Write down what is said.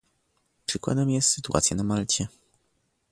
Przykładem jest sytuacja na Malcie